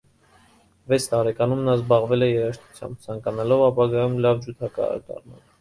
Վեց տարեկանում նա զբաղվել է երաժշտությամբ՝ ցանկանալով ապագայում լավ ջութակահար դառնալ։